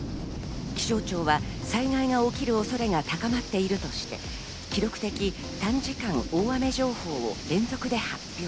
気象庁は災害が起きる恐れが高まっているとして、記録的短時間大雨情報を連続で発表。